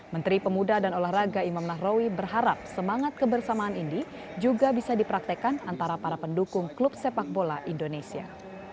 menteri pemuda dan olahraga imam nahrawi berharap semangat kebersamaan ini juga bisa dipraktekan antara para pendukung klub sepak bola indonesia